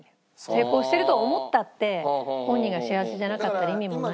成功してると思ったって本人が幸せじゃなかったら意味もないし。